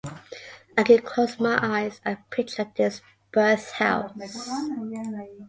I can close my eyes and picture his birth house.